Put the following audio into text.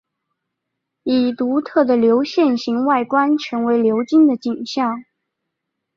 以独特的流线型外观成为流经的景象。